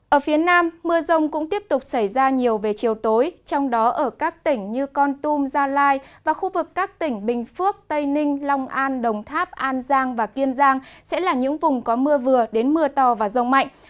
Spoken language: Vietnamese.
ở phía nam mưa rông cũng tiếp tục xảy ra nhiều về chiều tối trong đó ở các tỉnh như con tum gia lai và khu vực các tỉnh bình phước tây ninh long an đồng tháp an giang và kiên giang sẽ là những vùng có mưa vừa đến mưa to và rông mạnh